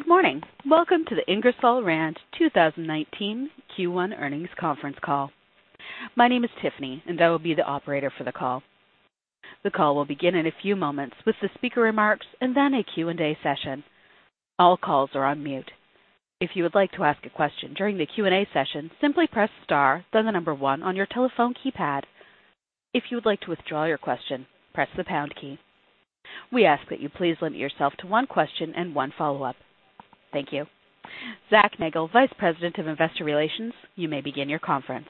Good morning. Welcome to the Ingersoll Rand 2019 Q1 Earnings Conference Call. My name is Tiffany, and I will be the operator for the call. The call will begin in a few moments with the speaker remarks and then a Q&A session. All calls are on mute. If you would like to ask a question during the Q&A session, simply press star then the number one on your telephone keypad. If you would like to withdraw your question, press the pound key. We ask that you please limit yourself to one question and one follow-up. Thank you. Zach Nagle, Vice President of Investor Relations, you may begin your conference.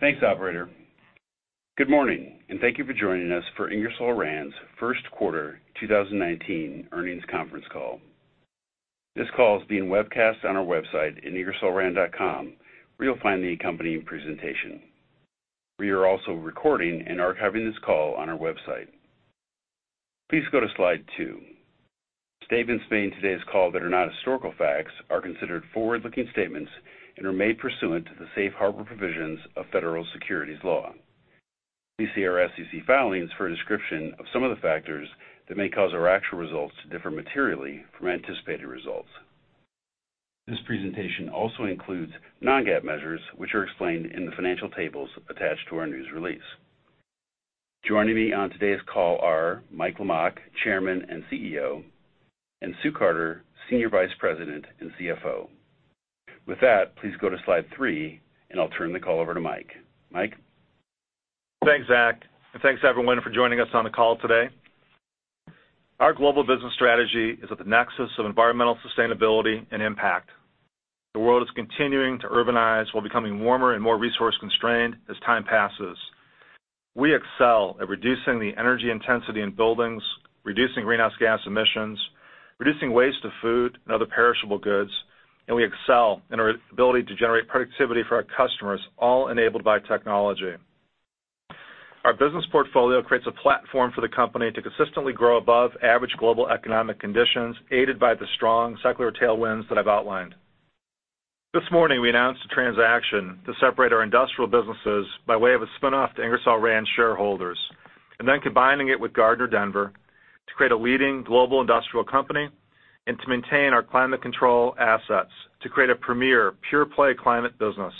Thanks, operator. Good morning, and thank you for joining us for Ingersoll Rand's first quarter 2019 earnings conference call. This call is being webcast on our website in ingersollrand.com, where you'll find the accompanying presentation. We are also recording and archiving this call on our website. Please go to slide two. Statements made in today's call that are not historical facts are considered forward-looking statements and are made pursuant to the safe harbor provisions of federal securities law. Please see our SEC filings for a description of some of the factors that may cause our actual results to differ materially from anticipated results. This presentation also includes non-GAAP measures, which are explained in the financial tables attached to our news release. Joining me on today's call are Mike Lamach, Chairman and CEO, and Sue Carter, Senior Vice President and CFO. With that, please go to slide three, and I'll turn the call over to Mike. Mike? Thanks, Zach, and thanks, everyone, for joining us on the call today. Our global business strategy is at the nexus of environmental sustainability and impact. The world is continuing to urbanize while becoming warmer and more resource-constrained as time passes. We excel at reducing the energy intensity in buildings, reducing greenhouse gas emissions, reducing waste of food and other perishable goods, and we excel in our ability to generate productivity for our customers, all enabled by technology. Our business portfolio creates a platform for the company to consistently grow above average global economic conditions, aided by the strong secular tailwinds that I've outlined. This morning, we announced a transaction to separate our industrial businesses by way of a spin-off to Ingersoll Rand shareholders, then combining it with Gardner Denver to create a leading global industrial company and to maintain our climate control assets to create a premier pure-play climate business.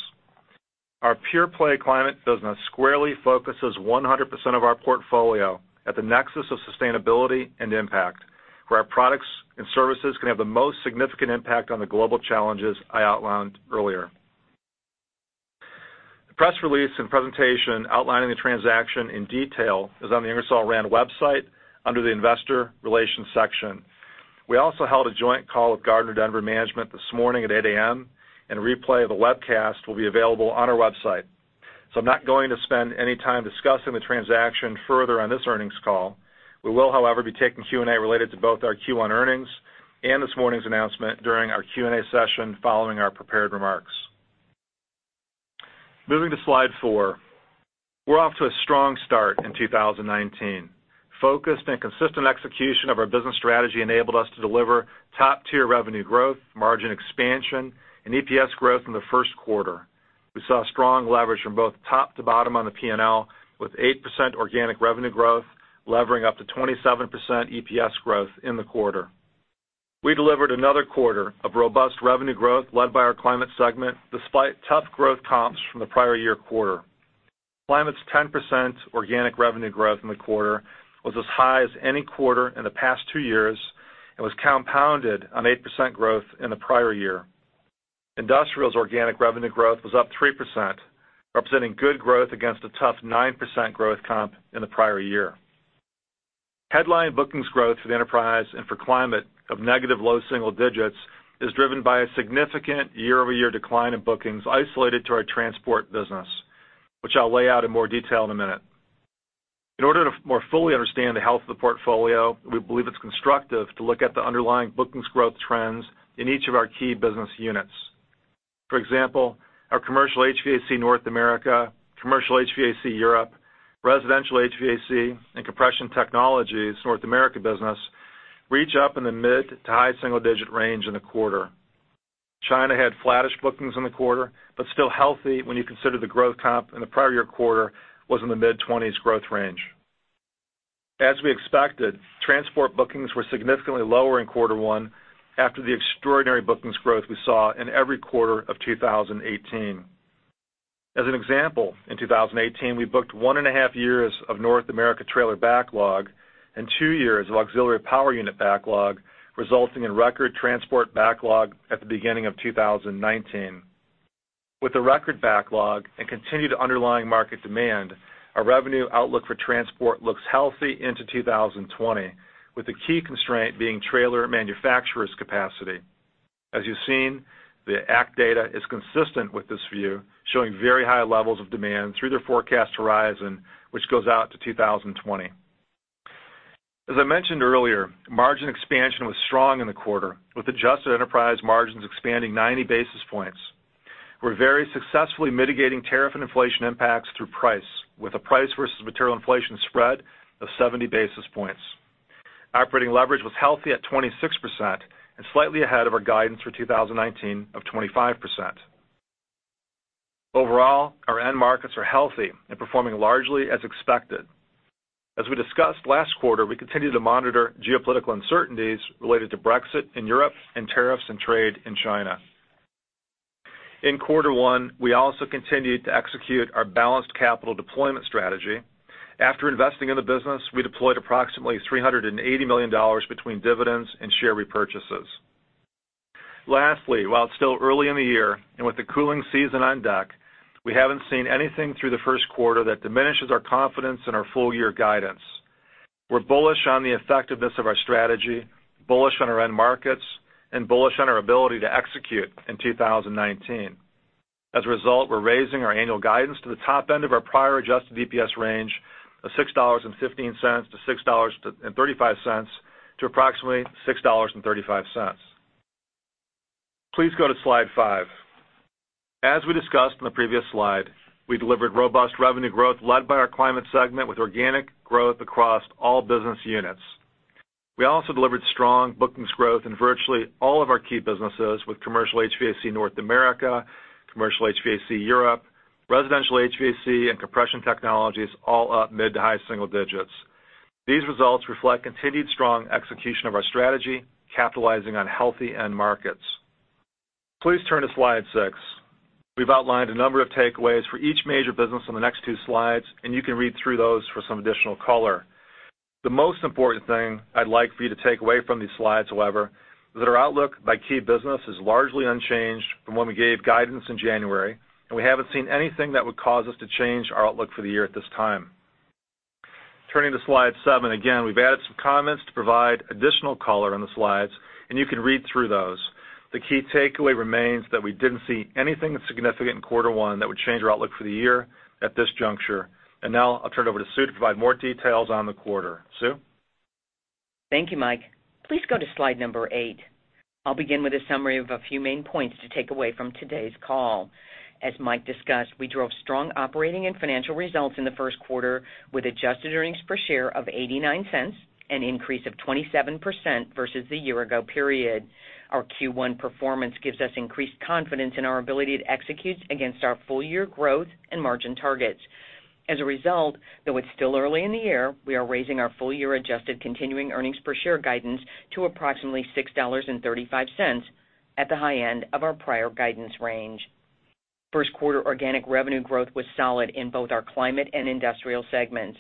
Our pure-play climate business squarely focuses 100% of our portfolio at the nexus of sustainability and impact, where our products and services can have the most significant impact on the global challenges I outlined earlier. The press release and presentation outlining the transaction in detail is on the Ingersoll Rand website under the investor relations section. We also held a joint call with Gardner Denver management this morning at 8:00 A.M., and a replay of the webcast will be available on our website. I'm not going to spend any time discussing the transaction further on this earnings call. We will, however, be taking Q&A related to both our Q1 earnings and this morning's announcement during our Q&A session following our prepared remarks. Moving to slide four. We're off to a strong start in 2019. Focused and consistent execution of our business strategy enabled us to deliver top-tier revenue growth, margin expansion, and EPS growth in the first quarter. We saw strong leverage from both top to bottom on the P&L, with 8% organic revenue growth levering up to 27% EPS growth in the quarter. We delivered another quarter of robust revenue growth led by our climate segment, despite tough growth comps from the prior year quarter. Climate's 10% organic revenue growth in the quarter was as high as any quarter in the past two years and was compounded on 8% growth in the prior year. Industrial's organic revenue growth was up 3%, representing good growth against a tough 9% growth comp in the prior year. Headline bookings growth for the enterprise and for climate of negative low double digits is driven by a significant year-over-year decline in bookings isolated to our transport business, which I'll lay out in more detail in a minute. In order to more fully understand the health of the portfolio, we believe it's constructive to look at the underlying bookings growth trends in each of our key business units. For example, our commercial HVAC North America, commercial HVAC Europe, residential HVAC, and Compression Technologies North America business reach up in the mid to high single digit range in the quarter. China had flattish bookings in the quarter, but still healthy when you consider the growth comp in the prior year quarter was in the mid-20s growth range. As we expected, transport bookings were significantly lower in quarter one after the extraordinary bookings growth we saw in every quarter of 2018. As an example, in 2018, we booked one and a half years of North America trailer backlog and two years of auxiliary power unit backlog, resulting in record transport backlog at the beginning of 2019. With a record backlog and continued underlying market demand, our revenue outlook for transport looks healthy into 2020, with the key constraint being trailer manufacturer's capacity. As you've seen, the ACT data is consistent with this view, showing very high levels of demand through their forecast horizon, which goes out to 2020. As I mentioned earlier, margin expansion was strong in the quarter, with adjusted enterprise margins expanding 90 basis points. We're very successfully mitigating tariff and inflation impacts through price, with a price versus material inflation spread of 70 basis points. Operating leverage was healthy at 26% and slightly ahead of our guidance for 2019 of 25%. Overall, our end markets are healthy and performing largely as expected. As we discussed last quarter, we continue to monitor geopolitical uncertainties related to Brexit in Europe and tariffs and trade in China. In quarter one, we also continued to execute our balanced capital deployment strategy. After investing in the business, we deployed approximately $380 million between dividends and share repurchases. Lastly, while it's still early in the year, and with the cooling season on deck, we haven't seen anything through the first quarter that diminishes our confidence in our full-year guidance. We're bullish on the effectiveness of our strategy, bullish on our end markets, and bullish on our ability to execute in 2019. As a result, we're raising our annual guidance to the top end of our prior adjusted EPS range of $6.15-$6.35 to approximately $6.35. Please go to slide five. We delivered robust revenue growth led by our climate segment with organic growth across all business units. We also delivered strong bookings growth in virtually all of our key businesses, with commercial HVAC North America, commercial HVAC Europe, residential HVAC, and Compression Technologies all up mid to high single digits. These results reflect continued strong execution of our strategy, capitalizing on healthy end markets. Please turn to slide six. We've outlined a number of takeaways for each major business on the next two slides. You can read through those for some additional color. The most important thing I'd like for you to take away from these slides, however, is that our outlook by key business is largely unchanged from when we gave guidance in January. We haven't seen anything that would cause us to change our outlook for the year at this time. Turning to slide seven, again, we've added some comments to provide additional color on the slides. You can read through those. The key takeaway remains that we didn't see anything significant in quarter one that would change our outlook for the year at this juncture. Now I'll turn it over to Sue to provide more details on the quarter. Sue? Thank you, Mike. Please go to slide number eight. I'll begin with a summary of a few main points to take away from today's call. As Mike discussed, we drove strong operating and financial results in the first quarter with adjusted earnings per share of $0.89, an increase of 27% versus the year-ago period. Our Q1 performance gives us increased confidence in our ability to execute against our full-year growth and margin targets. As a result, though it's still early in the year, we are raising our full-year adjusted continuing EPS guidance to approximately $6.35 at the high end of our prior guidance range. First quarter organic revenue growth was solid in both our climate and industrial segments.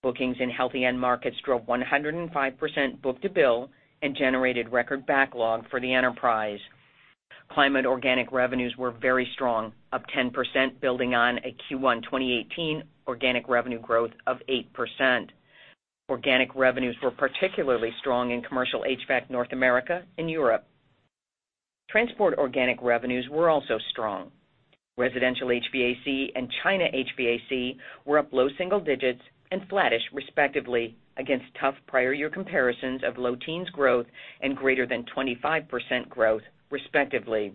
Bookings in healthy end markets drove 105% book to bill and generated record backlog for the enterprise. Climate organic revenues were very strong, up 10%, building on a Q1 2018 organic revenue growth of 8%. Organic revenues were particularly strong in commercial HVAC North America and Europe. Transport organic revenues were also strong. Residential HVAC and China HVAC were up low single digits and flattish, respectively, against tough prior year comparisons of low teens growth and greater than 25% growth, respectively.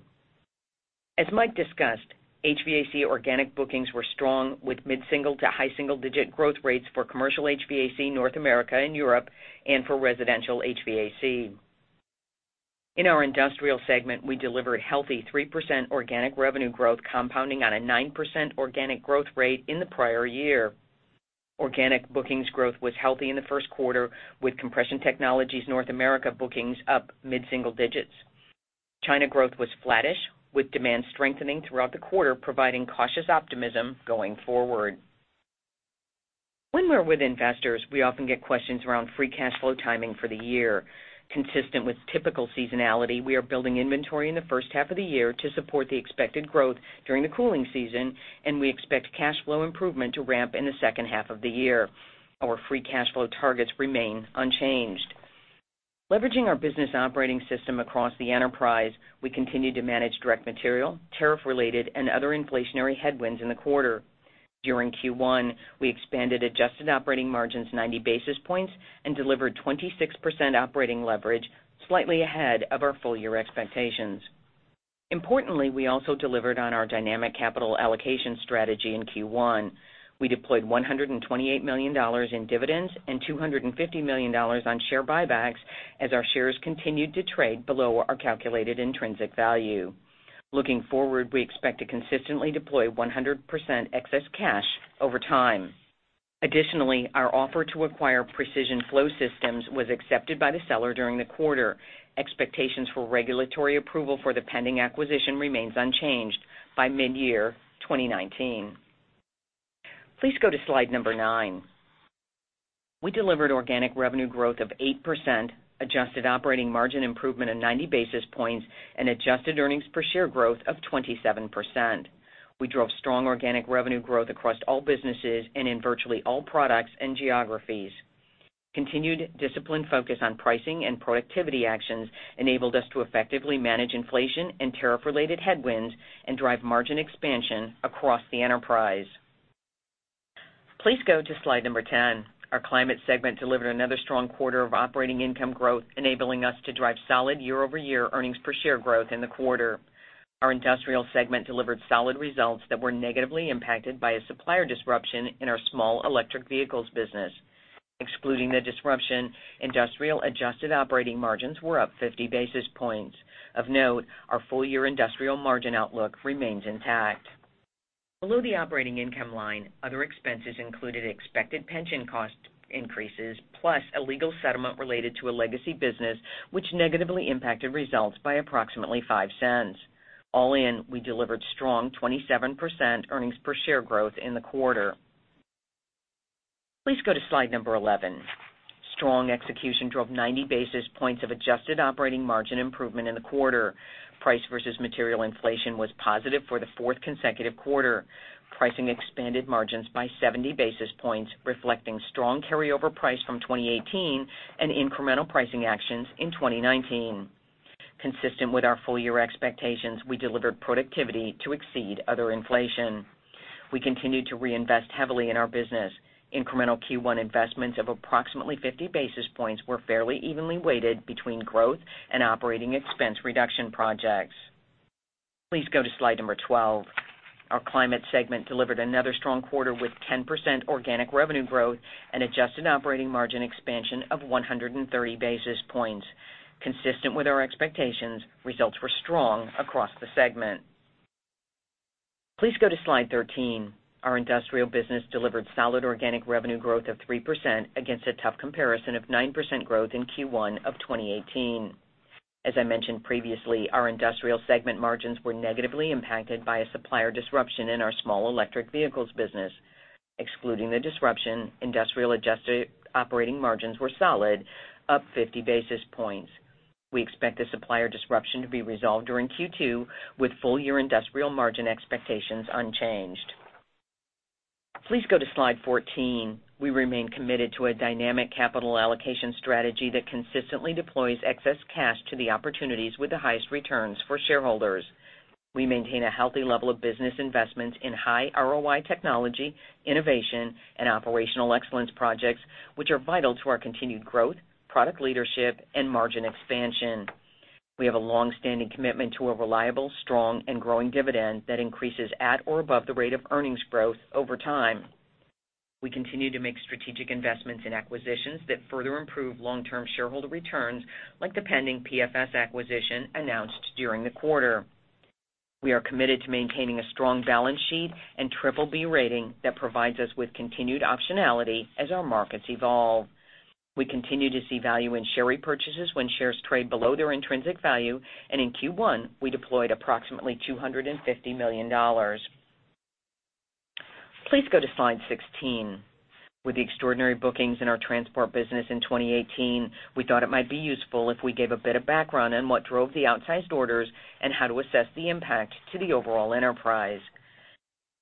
As Mike discussed, HVAC organic bookings were strong with mid-single to high single digit growth rates for commercial HVAC North America and Europe, and for residential HVAC. In our industrial segment, we delivered healthy 3% organic revenue growth compounding on a 9% organic growth rate in the prior year. Organic bookings growth was healthy in the first quarter with compression technologies North America bookings up mid-single digits. China growth was flattish, with demand strengthening throughout the quarter, providing cautious optimism going forward. When we're with investors, we often get questions around free cash flow timing for the year. Consistent with typical seasonality, we are building inventory in the first half of the year to support the expected growth during the cooling season, and we expect cash flow improvement to ramp in the second half of the year. Our free cash flow targets remain unchanged. Leveraging our business operating system across the enterprise, we continue to manage direct material, tariff-related, and other inflationary headwinds in the quarter. During Q1, we expanded adjusted operating margins 90 basis points and delivered 26% operating leverage, slightly ahead of our full-year expectations. Importantly, we also delivered on our dynamic capital allocation strategy in Q1. We deployed $128 million in dividends and $250 million on share buybacks as our shares continued to trade below our calculated intrinsic value. Looking forward, we expect to consistently deploy 100% excess cash over time. Additionally, our offer to acquire Precision Flow Systems was accepted by the seller during the quarter. Expectations for regulatory approval for the pending acquisition remains unchanged by mid-year 2019. Please go to slide number nine. We delivered organic revenue growth of 8%, adjusted operating margin improvement of 90 basis points, and adjusted earnings per share growth of 27%. We drove strong organic revenue growth across all businesses and in virtually all products and geographies. Continued disciplined focus on pricing and productivity actions enabled us to effectively manage inflation and tariff-related headwinds and drive margin expansion across the enterprise. Please go to slide number 10. Our climate segment delivered another strong quarter of operating income growth, enabling us to drive solid year-over-year earnings per share growth in the quarter. Our industrial segment delivered solid results that were negatively impacted by a supplier disruption in our small electric vehicles business. Excluding the disruption, industrial adjusted operating margins were up 50 basis points. Of note, our full-year industrial margin outlook remains intact. Below the operating income line, other expenses included expected pension cost increases, plus a legal settlement related to a legacy business, which negatively impacted results by approximately $0.05. All in, we delivered strong 27% earnings per share growth in the quarter. Please go to slide number 11. Strong execution drove 90 basis points of adjusted operating margin improvement in the quarter. Price versus material inflation was positive for the fourth consecutive quarter. Pricing expanded margins by 70 basis points, reflecting strong carryover price from 2018 and incremental pricing actions in 2019. Consistent with our full-year expectations, we delivered productivity to exceed other inflation. We continued to reinvest heavily in our business. Incremental Q1 investments of approximately 50 basis points were fairly evenly weighted between growth and operating expense reduction projects. Please go to slide 12. Our climate segment delivered another strong quarter with 10% organic revenue growth and adjusted operating margin expansion of 130 basis points. Consistent with our expectations, results were strong across the segment. Please go to slide 13. Our industrial business delivered solid organic revenue growth of 3% against a tough comparison of 9% growth in Q1 of 2018. As I mentioned previously, our industrial segment margins were negatively impacted by a supplier disruption in our small electric vehicles business. Excluding the disruption, industrial adjusted operating margins were solid, up 50 basis points. We expect the supplier disruption to be resolved during Q2 with full-year industrial margin expectations unchanged. Please go to slide 14. We remain committed to a dynamic capital allocation strategy that consistently deploys excess cash to the opportunities with the highest returns for shareholders. We maintain a healthy level of business investments in high ROI technology, innovation, and operational excellence projects, which are vital to our continued growth, product leadership, and margin expansion. We have a longstanding commitment to a reliable, strong, and growing dividend that increases at or above the rate of earnings growth over time. We continue to make strategic investments in acquisitions that further improve long-term shareholder returns, like the pending PFS acquisition announced during the quarter. We are committed to maintaining a strong balance sheet and BBB rating that provides us with continued optionality as our markets evolve. We continue to see value in share repurchases when shares trade below their intrinsic value. In Q1, we deployed approximately $250 million. Please go to slide 16. With the extraordinary bookings in our transport business in 2018, we thought it might be useful if we gave a bit of background on what drove the outsized orders and how to assess the impact to the overall enterprise.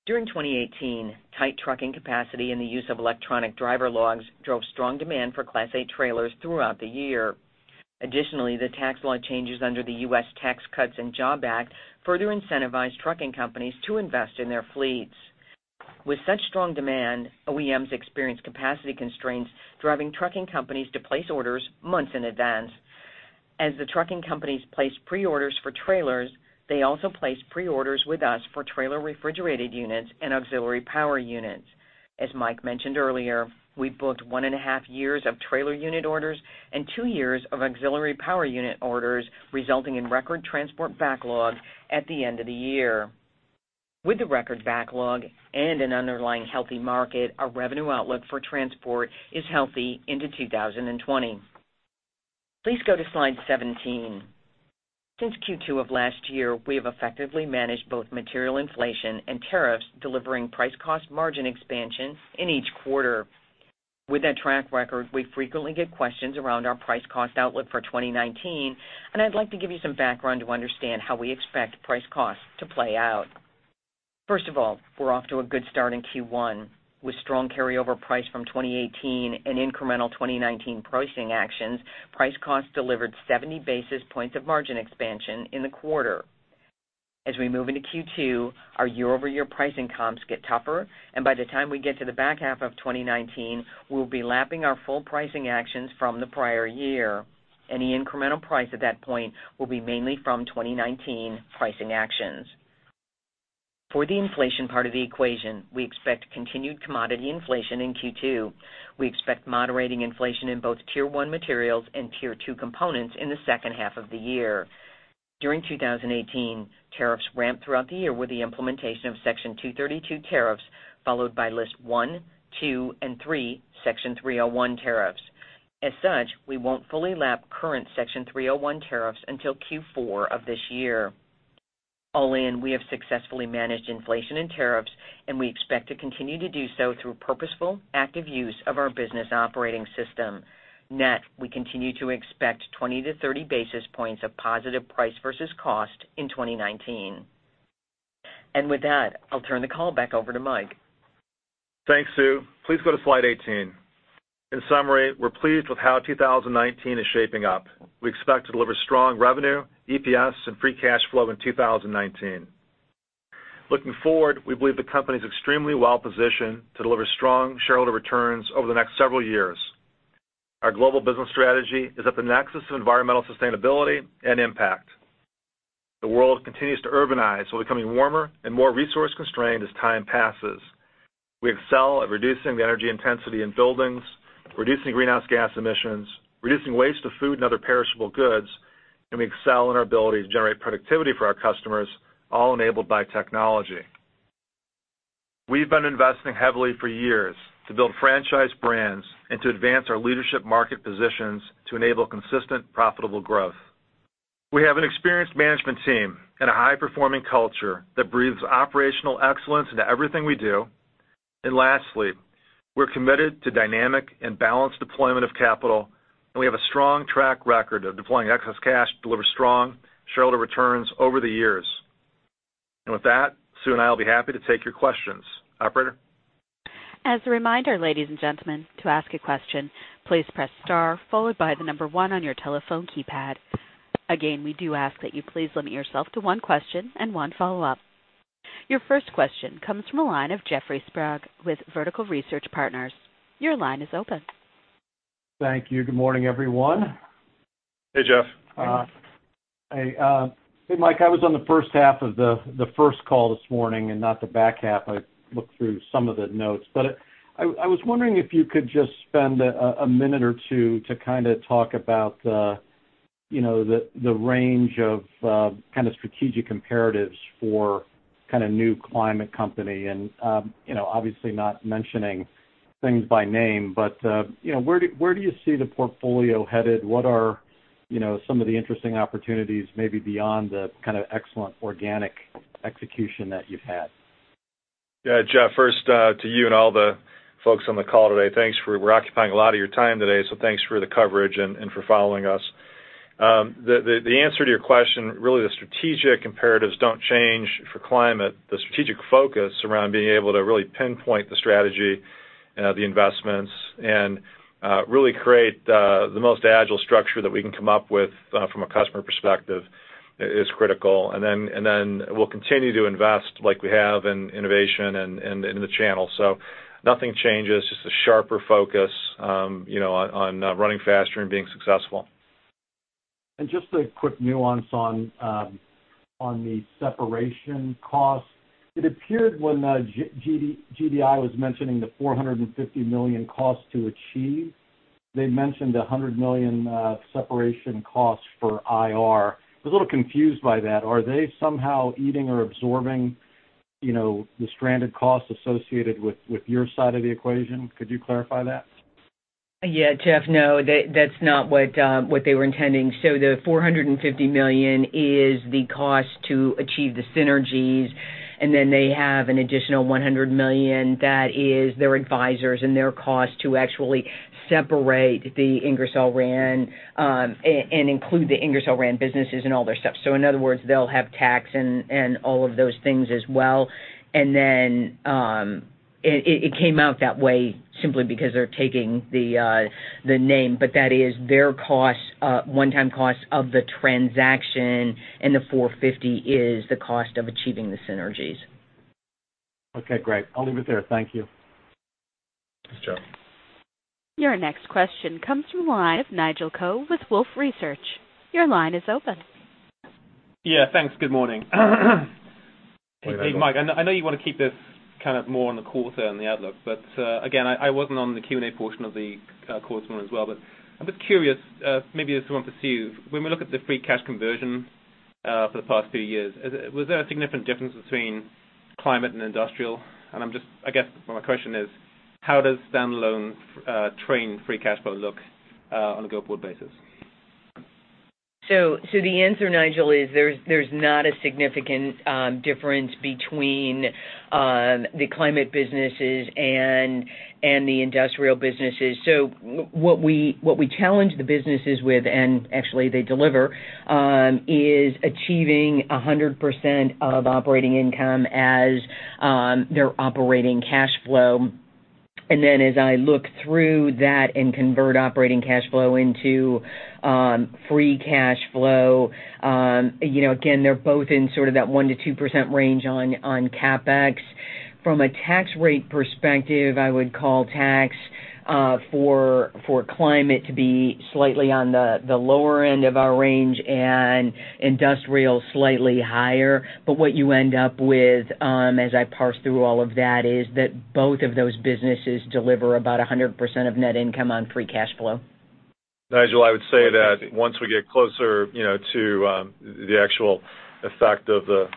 During 2018, tight trucking capacity and the use of electronic driver logs drove strong demand for Class 8 trailers throughout the year. Additionally, the tax law changes under the U.S. Tax Cuts and Jobs Act further incentivized trucking companies to invest in their fleets. With such strong demand, OEMs experienced capacity constraints, driving trucking companies to place orders months in advance. As the trucking companies placed preorders for trailers, they also placed preorders with us for trailer refrigerated units and auxiliary power units. As Mike mentioned earlier, we booked one and a half years of trailer unit orders and two years of auxiliary power unit orders, resulting in record transport backlog at the end of the year. With the record backlog and an underlying healthy market, our revenue outlook for transport is healthy into 2020. Please go to slide 17. Since Q2 of last year, we have effectively managed both material inflation and tariffs, delivering price cost margin expansion in each quarter. With that track record, we frequently get questions around our price cost outlook for 2019. I'd like to give you some background to understand how we expect price cost to play out. First of all, we're off to a good start in Q1. With strong carryover price from 2018 and incremental 2019 pricing actions, price cost delivered 70 basis points of margin expansion in the quarter. As we move into Q2, our year-over-year pricing comps get tougher. By the time we get to the back half of 2019, we'll be lapping our full pricing actions from the prior year. Any incremental price at that point will be mainly from 2019 pricing actions. For the inflation part of the equation, we expect continued commodity inflation in Q2. We expect moderating inflation in both Tier 1 materials and Tier 2 components in the second half of the year. During 2018, tariffs ramped throughout the year with the implementation of Section 232 tariffs, followed by list one, two, and three, Section 301 tariffs. As such, we won't fully lap current Section 301 tariffs until Q4 of this year. All in, we have successfully managed inflation and tariffs, and we expect to continue to do so through purposeful, active use of our business operating system. Net, we continue to expect 20-30 basis points of positive price versus cost in 2019. With that, I'll turn the call back over to Mike. Thanks, Sue. Please go to slide 18. In summary, we're pleased with how 2019 is shaping up. We expect to deliver strong revenue, EPS, and free cash flow in 2019. Looking forward, we believe the company's extremely well positioned to deliver strong shareholder returns over the next several years. Our global business strategy is at the nexus of environmental sustainability and impact. The world continues to urbanize, becoming warmer and more resource-constrained as time passes. We excel at reducing the energy intensity in buildings, reducing greenhouse gas emissions, reducing waste of food and other perishable goods, and we excel in our ability to generate productivity for our customers, all enabled by technology. We've been investing heavily for years to build franchise brands and to advance our leadership market positions to enable consistent profitable growth. we have an experienced management team and a high-performing culture that breathes operational excellence into everything we do. Lastly, we're committed to dynamic and balanced deployment of capital, and we have a strong track record of deploying excess cash to deliver strong shareholder returns over the years. With that, Sue and I will be happy to take your questions. Operator? As a reminder, ladies and gentlemen, to ask a question, please press star followed by the number one on your telephone keypad. Again, we do ask that you please limit yourself to one question and one follow-up. Your first question comes from the line of Jeffrey Sprague with Vertical Research Partners. Your line is open. Thank you. Good morning, everyone. Hey, Jeff. Hey. Hey, Mike, I was on the first half of the first call this morning and not the back half. I looked through some of the notes. I was wondering if you could just spend a minute or two to talk about the range of strategic imperatives for new Climate company. Obviously not mentioning things by name, but where do you see the portfolio headed? What are some of the interesting opportunities maybe beyond the kind of excellent organic execution that you've had? Jeff, first to you and all the folks on the call today, thanks. We're occupying a lot of your time today, so thanks for the coverage and for following us. The answer to your question, really, the strategic imperatives don't change for Climate. The strategic focus around being able to really pinpoint the strategy, the investments, and really create the most agile structure that we can come up with from a customer perspective is critical. Then we'll continue to invest like we have in innovation and in the channel. Nothing changes, just a sharper focus on running faster and being successful. Just a quick nuance on the separation cost. It appeared when GDI was mentioning the $450 million cost to achieve, they mentioned $100 million separation cost for IR. I was a little confused by that. Are they somehow eating or absorbing the stranded costs associated with your side of the equation? Could you clarify that? Jeff, no. That's not what they were intending. The $450 million is the cost to achieve the synergies. Then they have an additional $100 million that is their advisors and their cost to actually separate the Ingersoll Rand, and include the Ingersoll Rand businesses and all their stuff. In other words, they'll have tax and all of those things as well. Then it came out that way simply because they're taking the name, but that is their one-time cost of the transaction, and the $450 is the cost of achieving the synergies. Great. I'll leave it there. Thank you. Thanks, Jeff. Your next question comes from the line of Nigel Coe with Wolfe Research. Your line is open. Yeah. Thanks. Good morning. Good morning, Nigel. Hey, Mike, I know you want to keep this more on the quarter and the outlook. Again, I wasn't on the Q&A portion of the call this morning as well. I'm just curious, maybe this one for Sue. When we look at the free cash conversion for the past few years, was there a significant difference between Climate and Industrial? I guess my question is, how does standalone Trane free cash flow look on a go-forward basis? The answer, Nigel, is there's not a significant difference between the Climate businesses and the Industrial businesses. What we challenge the businesses with, and actually they deliver, is achieving 100% of operating income as their operating cash flow. As I look through that and convert operating cash flow into free cash flow, again, they're both in sort of that 1%-2% range on CapEx. From a tax rate perspective, I would call tax for Climate to be slightly on the lower end of our range and Industrial slightly higher. What you end up with as I parse through all of that is that both of those businesses deliver about 100% of net income on free cash flow. Nigel, I would say that once we get closer to the actual effect of the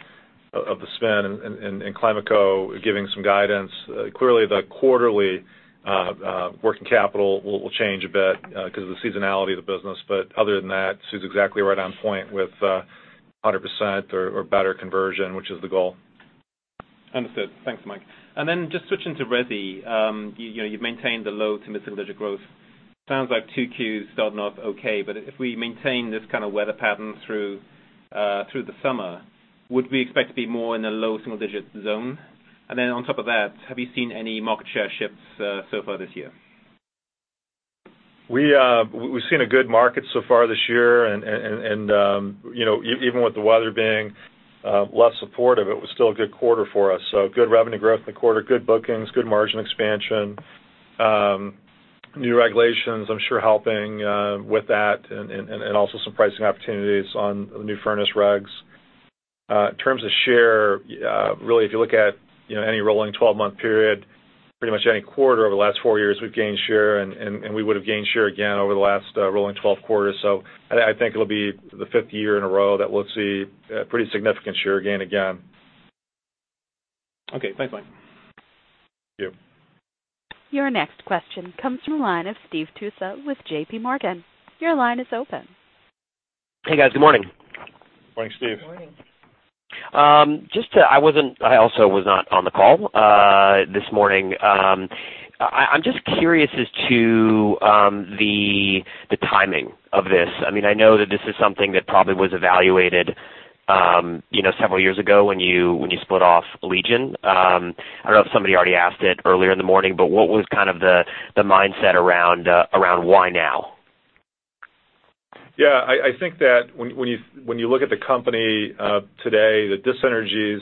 spin and RemainCo giving some guidance, clearly the quarterly working capital will change a bit because of the seasonality of the business. Other than that, Sue's exactly right on point with 100% or better conversion, which is the goal. Understood. Thanks, Mike. Just switching to Resi. You've maintained the low-to-mid single-digit growth. Sounds like 2Qs starting off okay. If we maintain this kind of weather pattern through the summer, would we expect to be more in a low single-digit zone? On top of that, have you seen any market share shifts so far this year? We've seen a good market so far this year, and even with the weather being less supportive, it was still a good quarter for us. Good revenue growth in the quarter, good bookings, good margin expansion. New regulations, I'm sure, helping with that, and also some pricing opportunities on the new furnace regs. In terms of share, really, if you look at any rolling 12-month period, pretty much any quarter over the last four years, we've gained share, and we would've gained share again over the last rolling 12 quarters. I think it'll be the fifth year in a row that we'll see a pretty significant share gain again. Okay, thanks, Mike. Thank you. Your next question comes from the line of Steve Tusa with JPMorgan. Your line is open. Hey, guys. Good morning. Morning, Steve. Morning. I also was not on the call this morning. I'm just curious as to the timing of this. I know that this is something that probably was evaluated several years ago when you split off Allegion. I don't know if somebody already asked it earlier in the morning, but what was the mindset around why now? Yeah. I think that when you look at the company today, the dissynergies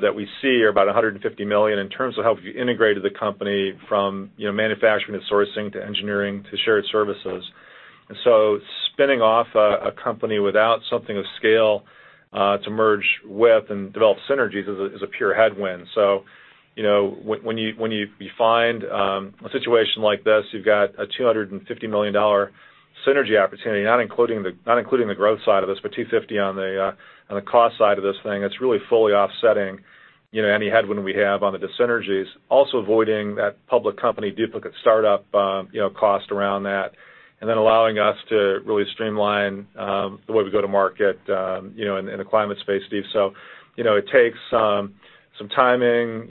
that we see are about $150 million in terms of how we integrated the company from manufacturing and sourcing to engineering to shared services. Spinning off a company without something of scale to merge with and develop synergies is a pure headwind. When you find a situation like this, you've got a $250 million synergy opportunity, not including the growth side of this, but $250 million on the cost side of this thing. It's really fully offsetting any headwind we have on the dissynergies. Also avoiding that public company duplicate startup cost around that, and then allowing us to really streamline the way we go to market in the climate space, Steve. It takes some timing,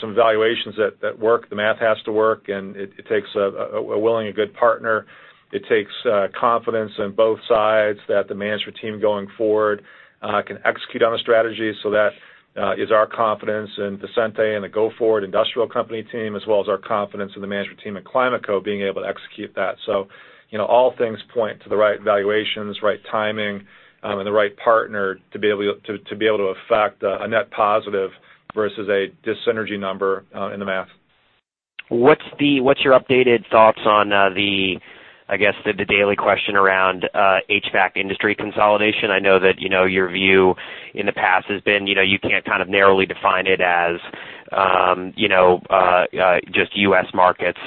some valuations that work. The math has to work, and it takes a willing and good partner. It takes confidence on both sides that the management team going forward can execute on the strategy. That is our confidence in Vicente and the go-forward industrial company team, as well as our confidence in the management team at ClimateCo being able to execute that. All things point to the right valuations, right timing, and the right partner to be able to effect a net positive versus a dissynergy number in the math. What's your updated thoughts on, I guess, the daily question around HVAC industry consolidation? I know that your view in the past has been you can't narrowly define it as just U.S. markets.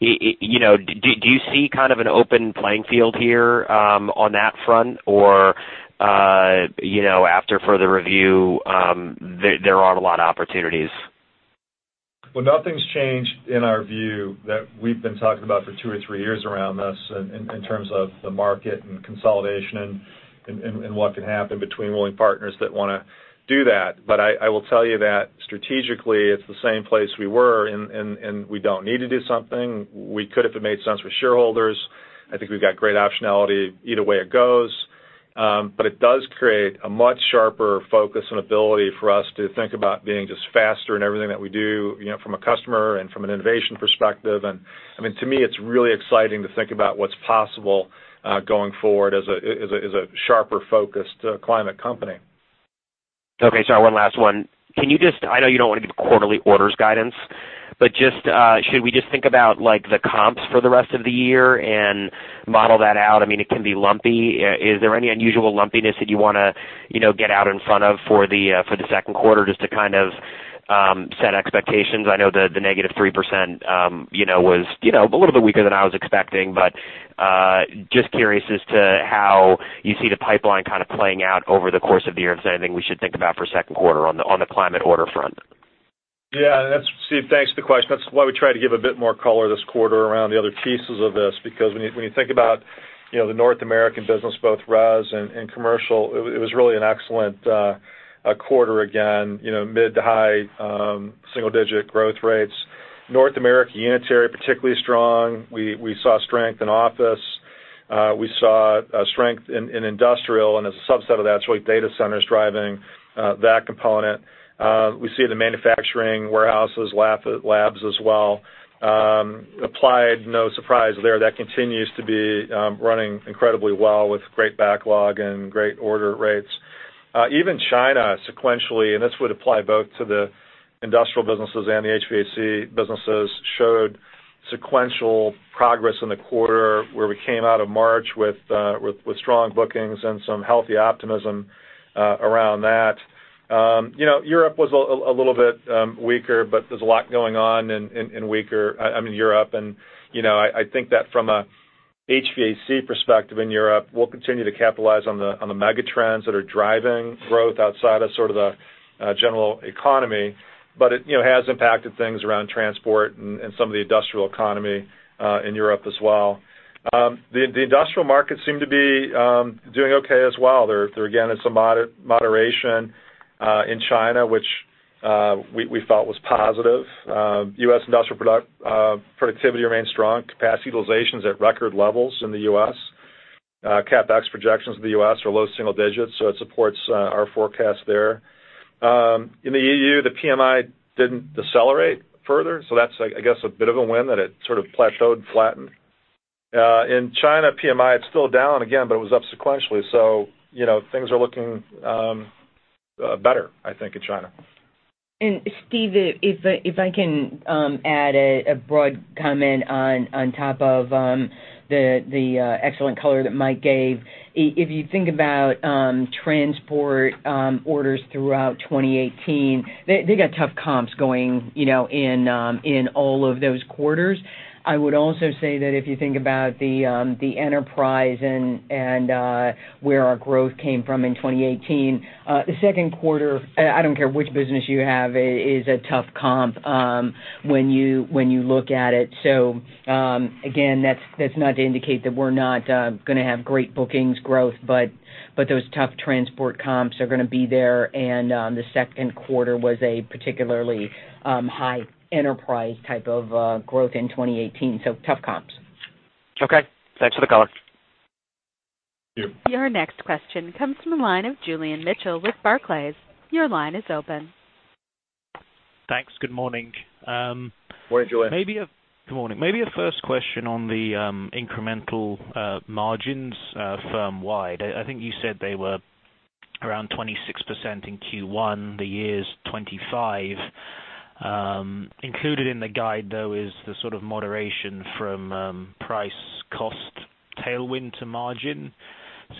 Do you see an open playing field here on that front? Or after further review there aren't a lot of opportunities? Well, nothing's changed in our view that we've been talking about for two or three years around this in terms of the market and consolidation and what can happen between willing partners that want to do that. I will tell you that strategically, it's the same place we were, and we don't need to do something. We could if it made sense for shareholders. I think we've got great optionality either way it goes. It does create a much sharper focus and ability for us to think about being just faster in everything that we do from a customer and from an innovation perspective. To me, it's really exciting to think about what's possible going forward as a sharper focused climate company. Okay. Sorry, one last one. I know you don't want to give quarterly orders guidance, should we just think about the comps for the rest of the year and model that out? It can be lumpy. Is there any unusual lumpiness that you want to get out in front of for the second quarter just to set expectations? I know the -3% was a little bit weaker than I was expecting, just curious as to how you see the pipeline playing out over the course of the year, if there's anything we should think about for second quarter on the climate order front. Yeah. Steve, thanks for the question. That's why we try to give a bit more color this quarter around the other pieces of this, because when you think about the North American business, both res and commercial, it was really an excellent quarter again. Mid to high single-digit growth rates. North America unitary particularly strong. We saw strength in office. We saw strength in industrial, and as a subset of that, it's really data centers driving that component. We see the manufacturing warehouses, labs as well. Applied, no surprise there. That continues to be running incredibly well with great backlog and great order rates. Even China sequentially, and this would apply both to the industrial businesses and the HVAC businesses, showed sequential progress in the quarter where we came out of March with strong bookings and some healthy optimism around that. Europe was a little bit weaker, there's a lot going on in Europe. I think that from a HVAC perspective in Europe, we'll continue to capitalize on the megatrends that are driving growth outside of sort of the general economy. It has impacted things around transport and some of the industrial economy in Europe as well. The industrial markets seem to be doing okay as well. There, again, is some moderation in China, which we felt was positive. U.S. industrial productivity remains strong. Capacity utilization's at record levels in the U.S. CapEx projections in the U.S. are low single digits, so it supports our forecast there. In the EU, the PMI didn't decelerate further, so that's, I guess, a bit of a win that it sort of plateaued, flattened. In China PMI, it's still down again, but it was up sequentially. Things are looking better, I think, in China. Steve, if I can add a broad comment on top of the excellent color that Mike gave. If you think about transport orders throughout 2018, they got tough comps going in all of those quarters. I would also say that if you think about the enterprise and where our growth came from in 2018, the second quarter, I don't care which business you have, is a tough comp when you look at it. Again, that's not to indicate that we're not going to have great bookings growth, but those tough transport comps are going to be there. The second quarter was a particularly high enterprise type of growth in 2018. Tough comps. Okay. Thanks for the color. Thank you. Your next question comes from the line of Julian Mitchell with Barclays. Your line is open. Thanks. Good morning. Morning, Julian. Good morning. Maybe a first question on the incremental margins firm wide. I think you said they were around 26% in Q1. The year's 25%. Included in the guide, though, is the sort of moderation from price cost tailwind to margin.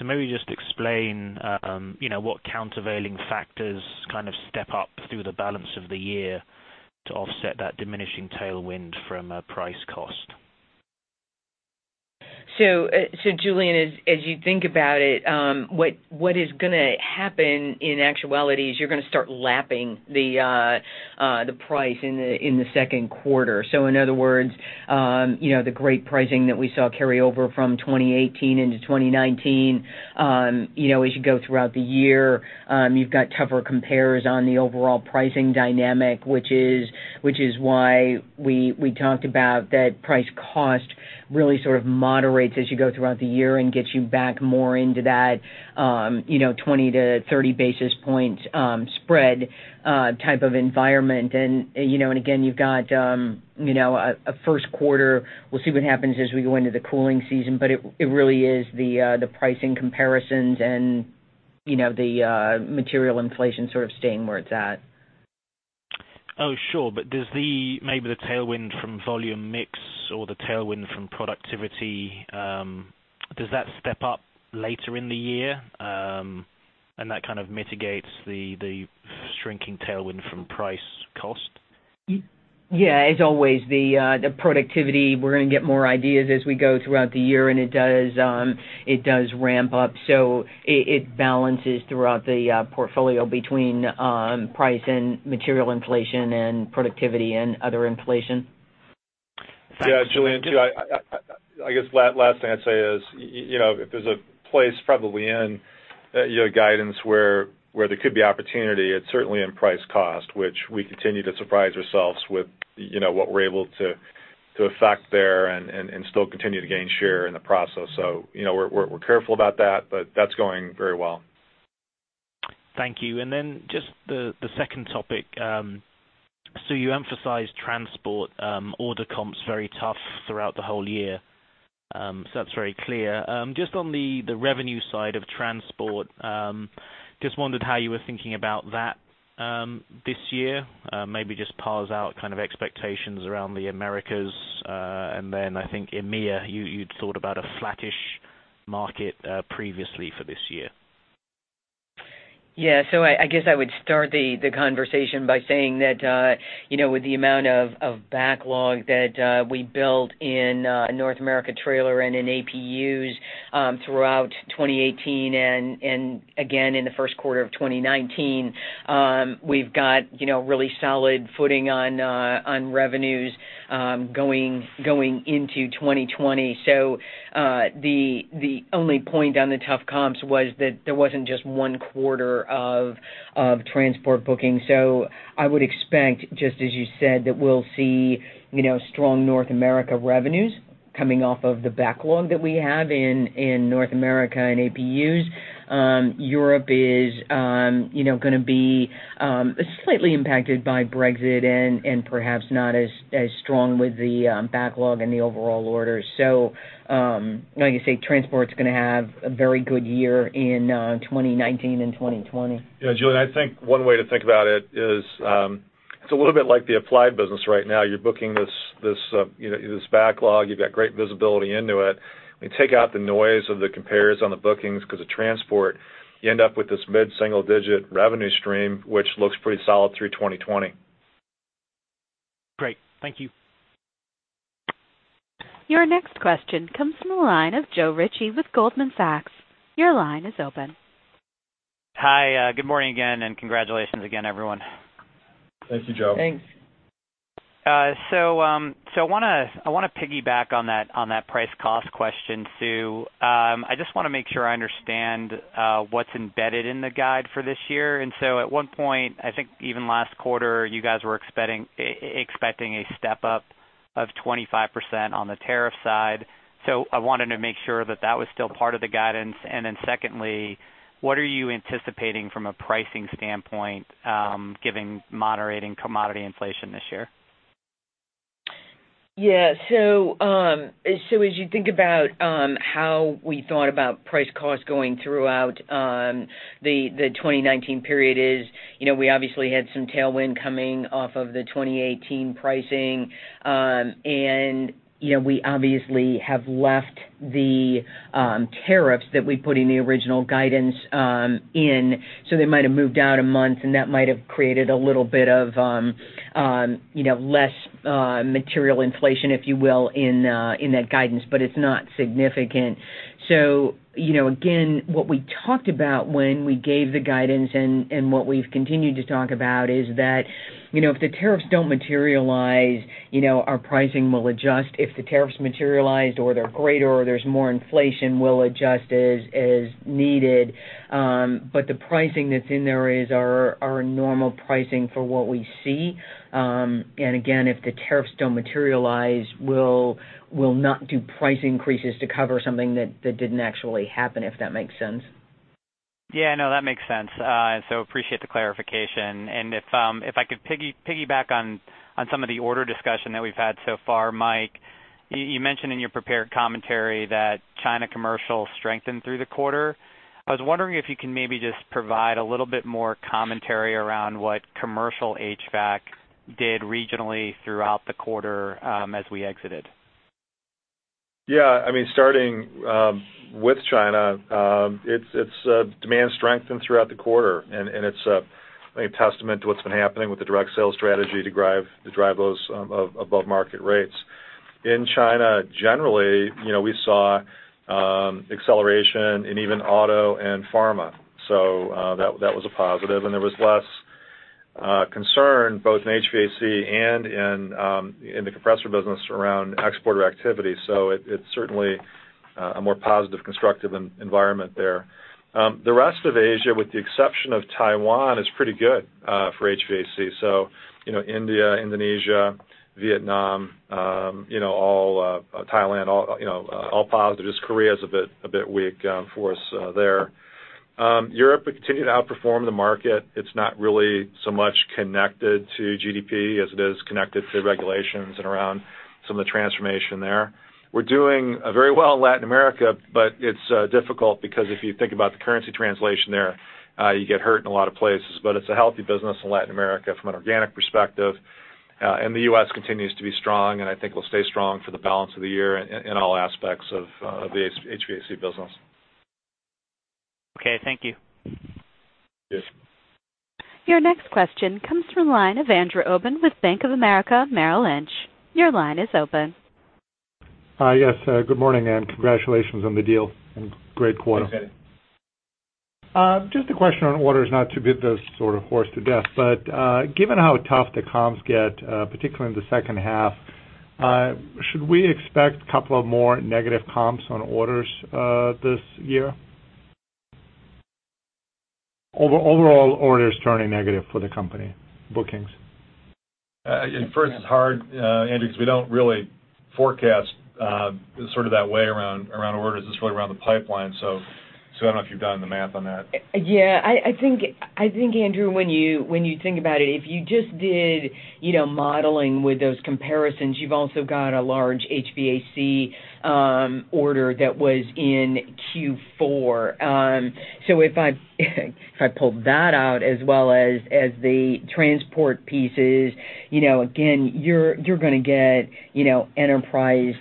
Maybe just explain what countervailing factors kind of step up through the balance of the year to offset that diminishing tailwind from a price cost. Julian, as you think about it, what is going to happen in actuality is you're going to start lapping the price in the second quarter. In other words, the great pricing that we saw carry over from 2018 into 2019. As you go throughout the year, you've got tougher compares on the overall pricing dynamic, which is why we talked about that price cost really sort of moderates as you go throughout the year and gets you back more into that 20-30 basis point spread type of environment. Again, you've got a first quarter. We'll see what happens as we go into the cooling season, but it really is the pricing comparisons and the material inflation sort of staying where it's at. Oh, sure. Does maybe the tailwind from volume mix or the tailwind from productivity, does that step up later in the year? That kind of mitigates the shrinking tailwind from price cost? As always, the productivity, we're going to get more ideas as we go throughout the year, and it does ramp up. It balances throughout the portfolio between price and material inflation and productivity and other inflation. Julian, I guess last thing I'd say is, if there's a place probably in your guidance where there could be opportunity, it's certainly in price cost, which we continue to surprise ourselves with what we're able to affect there and still continue to gain share in the process. We're careful about that, but that's going very well. Thank you. Just the second topic. You emphasized transport order comps very tough throughout the whole year. That's very clear. Just on the revenue side of transport, just wondered how you were thinking about that this year. Maybe just parse out kind of expectations around the Americas. Then I think EMEA, you'd thought about a flattish market previously for this year. I guess I would start the conversation by saying that with the amount of backlog that we built in North America Trailer and in APUs throughout 2018 and again in the first quarter of 2019, we've got really solid footing on revenues going into 2020. The only point on the tough comps was that there wasn't just one quarter of transport bookings. I would expect, just as you said, that we'll see strong North America revenues coming off of the backlog that we have in North America and APUs. Europe is going to be slightly impacted by Brexit and perhaps not as strong with the backlog and the overall orders. Like I say, transport's going to have a very good year in 2019 and 2020. Yeah, Julian, I think one way to think about it is, it's a little bit like the Applied business right now. You're booking this backlog. You've got great visibility into it. We take out the noise of the compares on the bookings because of transport, you end up with this mid-single-digit revenue stream, which looks pretty solid through 2020. Great. Thank you. Your next question comes from the line of Joe Ritchie with Goldman Sachs. Your line is open. Hi. Good morning again, and congratulations again, everyone. Thank you, Joe. Thanks. I want to piggyback on that price cost question, Sue. I just want to make sure I understand what's embedded in the guide for this year. At one point, I think even last quarter, you guys were expecting a step-up of 25% on the tariff side. I wanted to make sure that that was still part of the guidance. Secondly, what are you anticipating from a pricing standpoint, given moderating commodity inflation this year? As you think about how we thought about price cost going throughout the 2019 period is, we obviously had some tailwind coming off of the 2018 pricing. We obviously have left the tariffs that we put in the original guidance in, they might have moved out a month, that might have created a little bit of less material inflation, if you will, in that guidance. It's not significant. Again, what we talked about when we gave the guidance and what we've continued to talk about is that, if the tariffs don't materialize, our pricing will adjust. If the tariffs materialize or they're greater or there's more inflation, we'll adjust as needed. The pricing that's in there is our normal pricing for what we see. Again, if the tariffs don't materialize, we'll not do price increases to cover something that didn't actually happen, if that makes sense. No, that makes sense. Appreciate the clarification. If I could piggyback on some of the order discussion that we've had so far, Mike, you mentioned in your prepared commentary that China commercial strengthened through the quarter. I was wondering if you can maybe just provide a little bit more commentary around what commercial HVAC did regionally throughout the quarter as we exited. Starting with China, its demand strengthened throughout the quarter, and it's a testament to what's been happening with the direct sales strategy to drive those above market rates. In China, generally, we saw acceleration in even auto and pharma. That was a positive, and there was less concern both in HVAC and in the compressor business around exporter activity. It's certainly a more positive, constructive environment there. The rest of Asia, with the exception of Taiwan, is pretty good for HVAC. India, Indonesia, Vietnam, Thailand, all positive. Just Korea is a bit weak for us there. Europe continued to outperform the market. It's not really so much connected to GDP as it is connected to regulations and around some of the transformation there. We're doing very well in Latin America, but it's difficult because if you think about the currency translation there, you get hurt in a lot of places. It's a healthy business in Latin America from an organic perspective. The U.S. continues to be strong, and I think will stay strong for the balance of the year in all aspects of the HVAC business. Okay. Thank you. Yes. Your next question comes from the line of Andrew Obin with Bank of America Merrill Lynch. Your line is open. Yes. Good morning, congratulations on the deal and great quarter. Thanks, Andy. Just a question on orders, not to beat this horse to death, but given how tough the comps get, particularly in the second half, should we expect a couple of more negative comps on orders this year? Overall orders turning negative for the company bookings. At first, it's hard, Andrew, because we don't really forecast that way around orders. It's really around the pipeline. I don't know if you've done the math on that. I think, Andrew, when you think about it, if you just did modeling with those comparisons, you've also got a large HVAC order that was in Q4. If I pulled that out as well as the transport pieces, again, you're going to get enterprise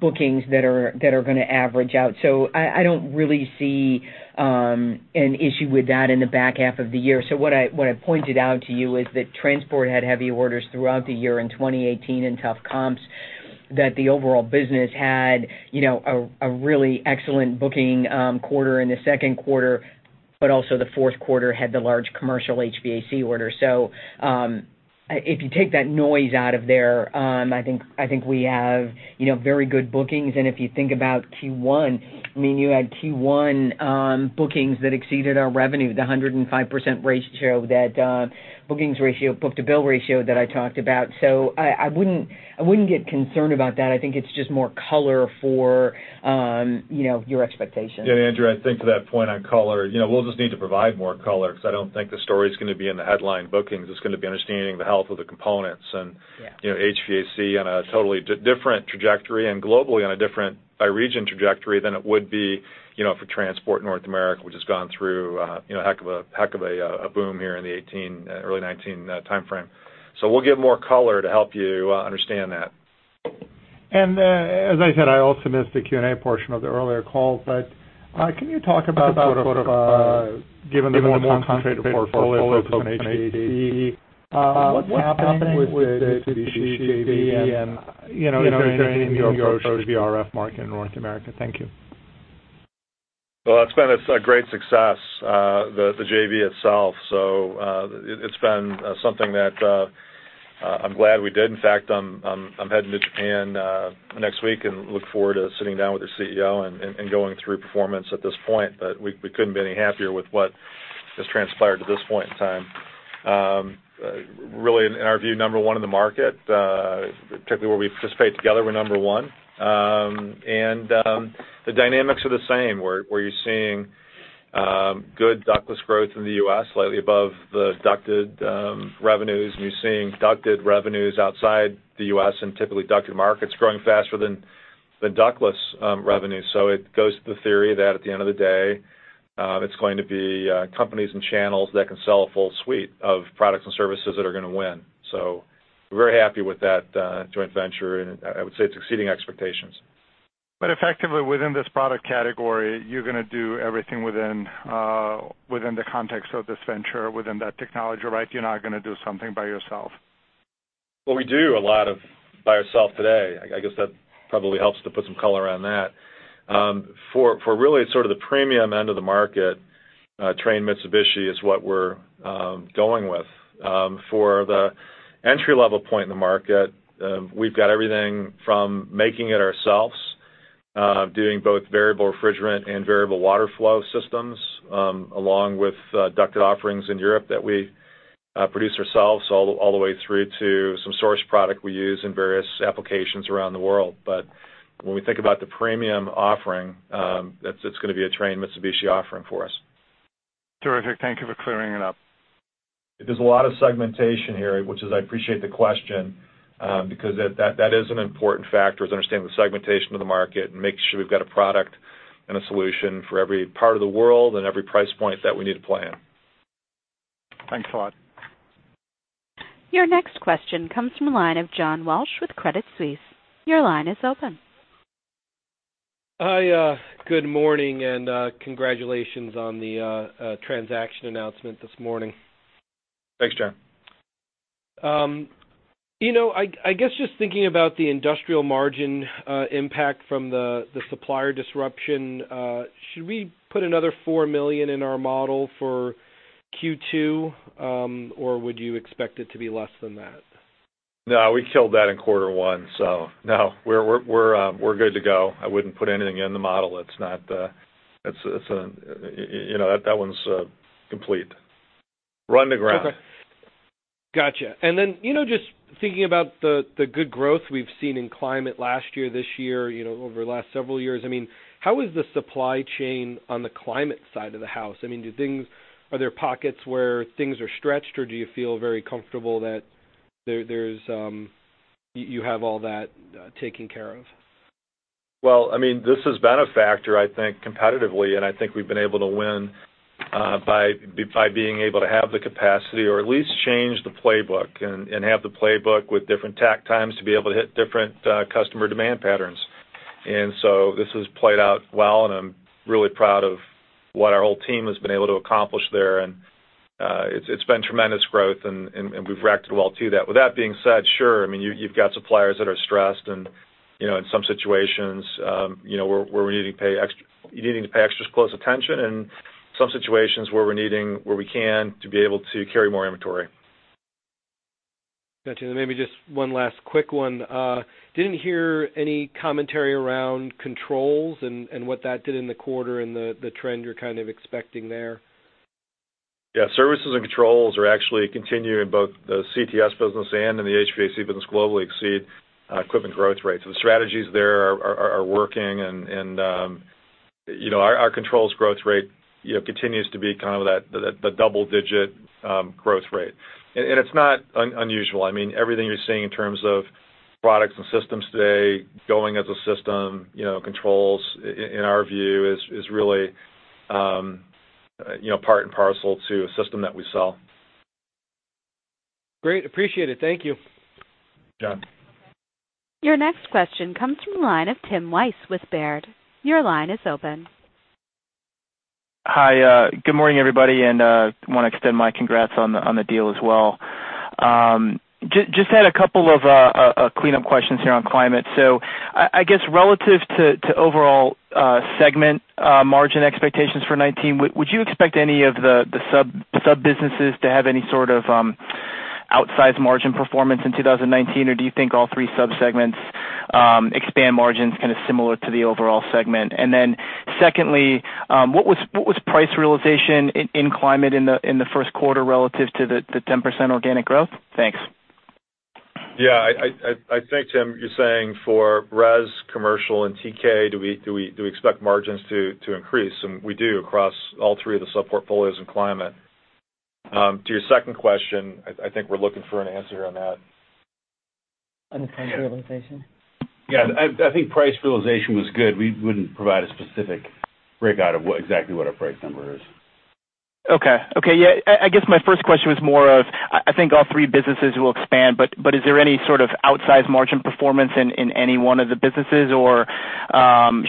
bookings that are going to average out. I don't really see an issue with that in the back half of the year. What I pointed out to you is that transport had heavy orders throughout the year in 2018 and tough comps, that the overall business had a really excellent booking quarter in the second quarter, but also the fourth quarter had the large commercial HVAC order. If you take that noise out of there, I think we have very good bookings. If you think about Q1, you had Q1 bookings that exceeded our revenue, the 105% ratio, that bookings ratio, book to bill ratio that I talked about. I wouldn't get concerned about that. I think it's just more color for your expectations. Andrew, I think to that point on color, we'll just need to provide more color because I don't think the story's going to be in the headline bookings. It's going to be understanding the health of the components. Yeah. HVAC on a totally different trajectory and globally on a different by region trajectory than it would be for transport North America, which has gone through a heck of a boom here in the 2018, early 2019 timeframe. We'll give more color to help you understand that. As I said, I also missed the Q&A portion of the earlier call, can you talk about given the more concentrated portfolio focus on HVAC, what's happening with the Mitsubishi JV and your approach to the VRF market in North America? Thank you. Well, it's been a great success, the JV itself. It's been something that I'm glad we did. In fact, I'm heading to Japan next week and look forward to sitting down with their CEO and going through performance at this point. We couldn't be any happier with what has transpired to this point in time. Really in our view, number one in the market, particularly where we participate together, we're number one. The dynamics are the same, where you're seeing Good ductless growth in the U.S., slightly above the ducted revenues. You're seeing ducted revenues outside the U.S. and typically ducted markets growing faster than the ductless revenues. It goes to the theory that at the end of the day, it's going to be companies and channels that can sell a full suite of products and services that are going to win. We're very happy with that joint venture, I would say it's exceeding expectations. Effectively within this product category, you're going to do everything within the context of this venture, within that technology right? You're not going to do something by yourself. Well, we do a lot of by ourselves today. I guess that probably helps to put some color on that. For really sort of the premium end of the market, Trane Mitsubishi is what we're going with. For the entry level point in the market, we've got everything from making it ourselves, doing both Variable Refrigerant Flow and Variable Water Flow systems, along with ducted offerings in Europe that we produce ourselves all the way through to some source product we use in various applications around the world. When we think about the premium offering, that's going to be a Trane Mitsubishi offering for us. Terrific. Thank you for clearing it up. There's a lot of segmentation here, which is, I appreciate the question, because that is an important factor, is understanding the segmentation of the market and making sure we've got a product and a solution for every part of the world and every price point that we need to play in. Thanks a lot. Your next question comes from the line of John Walsh with Credit Suisse. Your line is open. Hi, good morning. Congratulations on the transaction announcement this morning. Thanks, John. I guess just thinking about the industrial margin impact from the supplier disruption, should we put another $4 million in our model for Q2? Would you expect it to be less than that? No, we killed that in quarter one. No, we're good to go. I wouldn't put anything in the model. That one's complete. Run the ground. Okay. Got you. Just thinking about the good growth we've seen in climate last year, this year, over the last several years, how is the supply chain on the climate side of the house? Are there pockets where things are stretched, or do you feel very comfortable that you have all that taken care of? Well, this has been a factor, I think, competitively, I think we've been able to win by being able to have the capacity or at least change the playbook and have the playbook with different tack times to be able to hit different customer demand patterns. This has played out well, and I'm really proud of what our whole team has been able to accomplish there. It's been tremendous growth, and we've reacted well to that. With that being said, sure, you've got suppliers that are stressed and, in some situations, we're needing to pay extra close attention and some situations where we can to be able to carry more inventory. Got you. Maybe just one last quick one. Didn't hear any commentary around controls and what that did in the quarter and the trend you're kind of expecting there. Yeah, services and controls are actually continuing both the CTS business and in the HVAC business globally exceed equipment growth rates. The strategies there are working, and our controls growth rate continues to be kind of that double-digit growth rate. It's not unusual. Everything you're seeing in terms of products and systems today going as a system, controls, in our view, is really part and parcel to a system that we sell. Great. Appreciate it. Thank you. John. Your next question comes from the line of Tim Weiss with Baird. Your line is open. Hi. Good morning, everybody, want to extend my congrats on the deal as well. Just had a couple of cleanup questions here on climate. I guess relative to overall segment margin expectations for 2019, would you expect any of the sub-businesses to have any sort of outsized margin performance in 2019? Or do you think all three sub-segments expand margins kind of similar to the overall segment? Secondly, what was price realization in climate in the first quarter relative to the 10% organic growth? Thanks. I think, Tim, you're saying for res, commercial, and TK, do we expect margins to increase? We do across all three of the sub-portfolios in climate. To your second question, I think we're looking for an answer on that. On the price realization. I think price realization was good. We wouldn't provide a specific breakout of exactly what our price number is. Okay. Yeah, I guess my first question was more of, I think all three businesses will expand, but is there any sort of outsized margin performance in any one of the businesses, or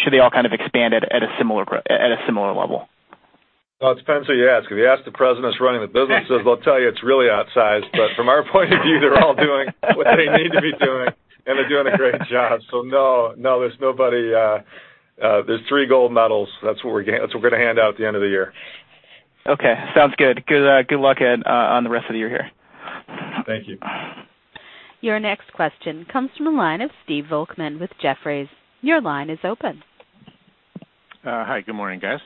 should they all kind of expand at a similar level? Well, it depends who you ask. If you ask the presidents running the businesses, they'll tell you it's really outsized. From our point of view, they're all doing what they need to be doing, and they're doing a great job. No, there's three gold medals. That's what we're going to hand out at the end of the year. Okay, sounds good. Good luck on the rest of the year here. Thank you. Your next question comes from the line of Steve Volkmann with Jefferies. Your line is open. Hi. Good morning, guys.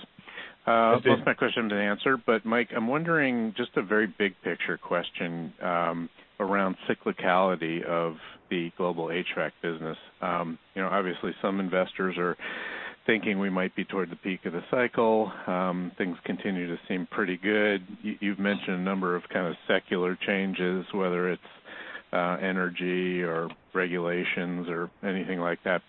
Steve. Based my question on the answer, Mike, I'm wondering just a very big picture question around cyclicality of the global HVAC business. Obviously, some investors are thinking we might be toward the peak of the cycle. Things continue to seem pretty good. You've mentioned a number of kind of secular changes, whether it's energy or regulations or anything like that.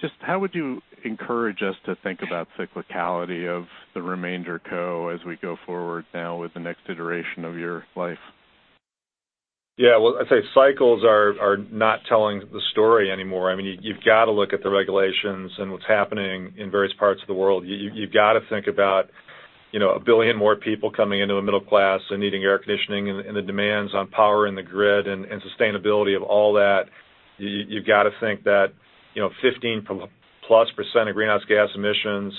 Just how would you encourage us to think about cyclicality of the RemainCo as we go forward now with the next iteration of your life? Yeah. I'd say cycles are not telling the story anymore. You've got to look at the regulations and what's happening in various parts of the world. You've got to think about a billion more people coming into the middle class and needing air conditioning, and the demands on power and the grid and sustainability of all that. You've got to think that 15%+ of greenhouse gas emissions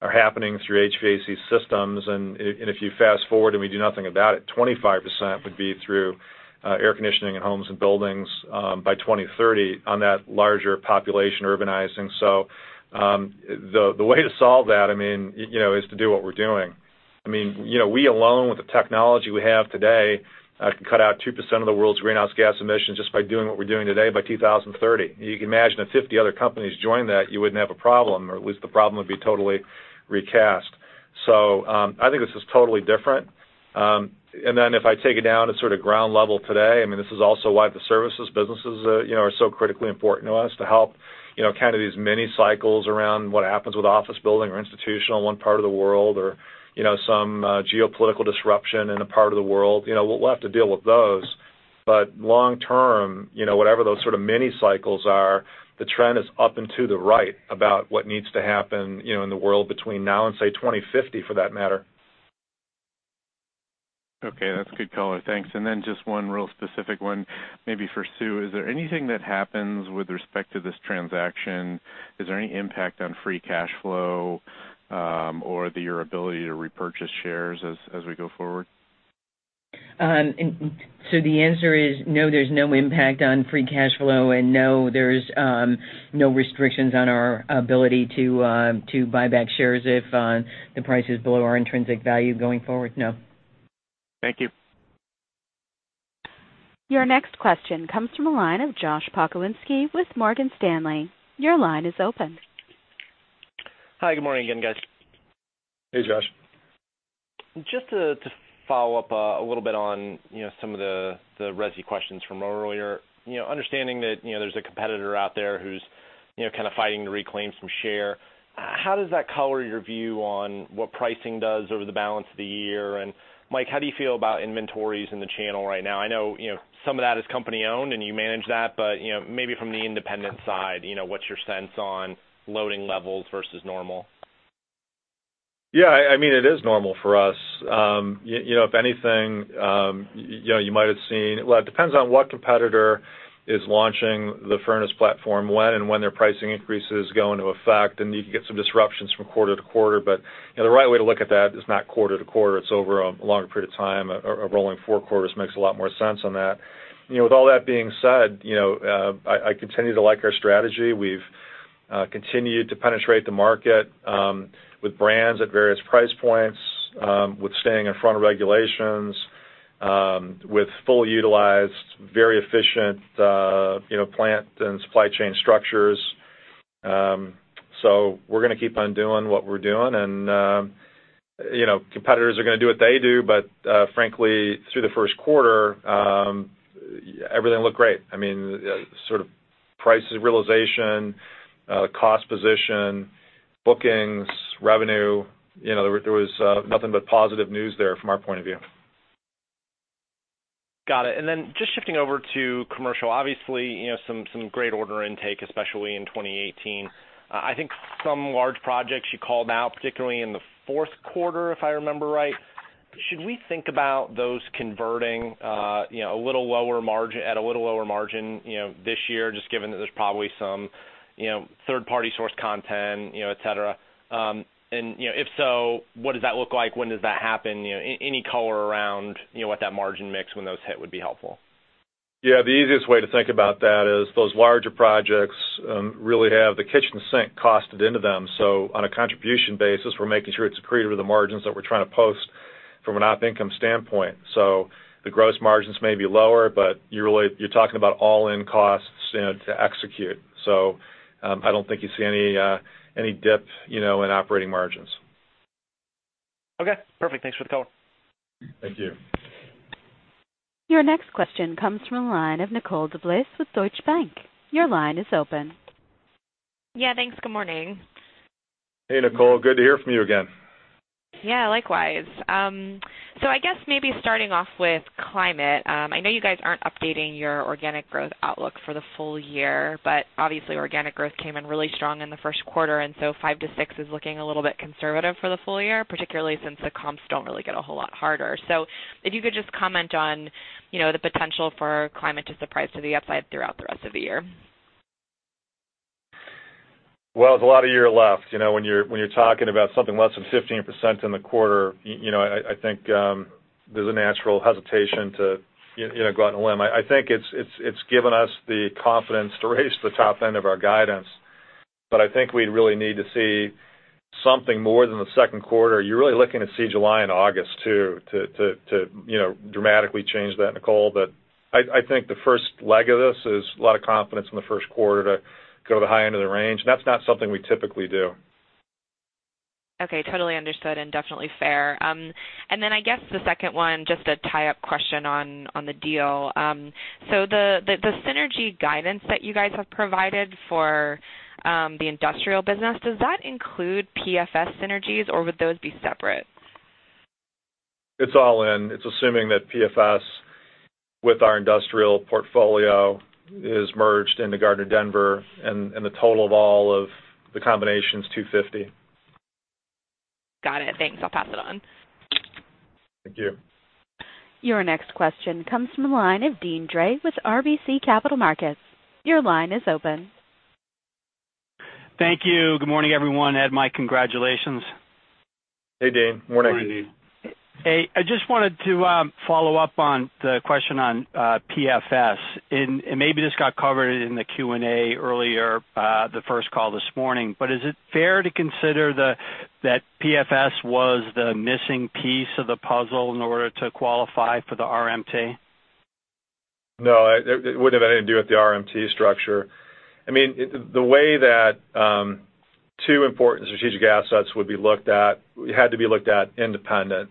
are happening through HVAC systems. If you fast-forward and we do nothing about it, 25% would be through air conditioning in homes and buildings by 2030 on that larger population urbanizing. The way to solve that is to do what we're doing. We alone, with the technology we have today, can cut out 2% of the world's greenhouse gas emissions just by doing what we're doing today by 2030. You can imagine if 50 other companies joined that, you wouldn't have a problem, or at least the problem would be totally recast. I think this is totally different. If I take it down to sort of ground level today, this is also why the services businesses are so critically important to us, to help kind of these mini cycles around what happens with office building or institutional in one part of the world or some geopolitical disruption in a part of the world. We'll have to deal with those, but long term, whatever those sort of mini cycles are, the trend is up and to the right about what needs to happen in the world between now and, say, 2050 for that matter. Okay, that's a good color. Thanks. Just one real specific one, maybe for Sue. Is there anything that happens with respect to this transaction? Is there any impact on free cash flow or your ability to repurchase shares as we go forward? The answer is no, there's no impact on free cash flow, and no, there's no restrictions on our ability to buy back shares if the price is below our intrinsic value going forward. No. Thank you. Your next question comes from the line of Josh Pokrzywinski with Morgan Stanley. Your line is open. Hi. Good morning again, guys. Hey, Josh. Just to follow up a little bit on some of the resi questions from earlier. Understanding that there's a competitor out there who's kind of fighting to reclaim some share, how does that color your view on what pricing does over the balance of the year? Mike, how do you feel about inventories in the channel right now? I know some of that is company-owned and you manage that, but maybe from the independent side, what's your sense on loading levels versus normal? Yeah. It is normal for us. If anything, you might have seen Well, it depends on what competitor is launching the furnace platform when and when their pricing increases go into effect, and you can get some disruptions from quarter-to-quarter. The right way to look at that is not quarter-to-quarter. It is over a longer period of time. A rolling four quarters makes a lot more sense on that. With all that being said, I continue to like our strategy. We've continued to penetrate the market with brands at various price points, with staying in front of regulations, with full-utilized, very efficient plant and supply chain structures. We're gonna keep on doing what we're doing, and competitors are gonna do what they do. Frankly, through the first quarter, everything looked great. Sort of price realization, cost position, bookings, revenue. There was nothing but positive news there from our point of view. Got it. Then just shifting over to commercial, obviously, some great order intake, especially in 2018. I think some large projects you called out, particularly in the fourth quarter, if I remember right. Should we think about those converting at a little lower margin this year, just given that there's probably some third-party source content, et cetera? If so, what does that look like? When does that happen? Any color around what that margin mix when those hit would be helpful. Yeah. The easiest way to think about that is those larger projects really have the kitchen sink costed into them. On a contribution basis, we're making sure it's accretive to the margins that we're trying to post from an op income standpoint. The gross margins may be lower, but you're talking about all-in costs to execute. I don't think you see any dip in operating margins. Okay, perfect. Thanks for the color. Thank you. Your next question comes from the line of Nicole DeBlase with Deutsche Bank. Your line is open. Yeah, thanks. Good morning. Hey, Nicole. Good to hear from you again. Yeah, likewise. I guess maybe starting off with climate. I know you guys aren't updating your organic growth outlook for the full year, but obviously organic growth came in really strong in the first quarter, 5%-6% is looking a little bit conservative for the full year, particularly since the comps don't really get a whole lot harder. If you could just comment on the potential for climate to surprise to the upside throughout the rest of the year. Well, there's a lot of year left. When you're talking about something less than 15% in the quarter, I think there's a natural hesitation to go out on a limb. I think it's given us the confidence to raise the top end of our guidance. I think we'd really need to see something more than the second quarter, you're really looking to see July and August too to dramatically change that, Nicole. I think the first leg of this is a lot of confidence in the first quarter to go to the high end of the range. That's not something we typically do. Okay. Totally understood and definitely fair. I guess the second one, just a tie-up question on the deal. The synergy guidance that you guys have provided for the industrial business, does that include PFS synergies, or would those be separate? It's all in. It's assuming that PFS with our industrial portfolio is merged into Gardner Denver, and the total of all of the combination is $250. Got it. Thanks. I'll pass it on. Thank you. Your next question comes from the line of Deane Dray with RBC Capital Markets. Your line is open. Thank you. Good morning, everyone. Ed, Mike, congratulations. Hey, Deane. Morning. Morning. Hey, I just wanted to follow up on the question on PFS. Maybe this got covered in the Q&A earlier the first call this morning. Is it fair to consider that PFS was the missing piece of the puzzle in order to qualify for the RMT? No, it wouldn't have anything to do with the RMT structure. The way that two important strategic assets would be looked at, had to be looked at independent.